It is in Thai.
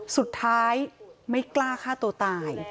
สุดท้ายไม่กล้าฆ่าตัวตาย